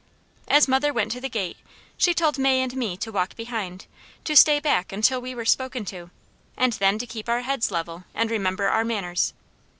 As mother went to the gate, she told May and me to walk behind, to stay back until we were spoken to, and then to keep our heads level, and remember our manners.